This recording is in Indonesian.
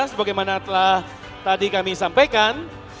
sebagaimana telah tadi kami sampaikan